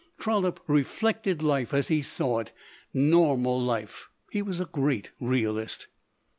Trollope reflected life as he saw it normal life. He was a great realist.